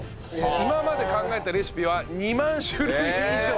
今まで考えたレシピは２万種類以上。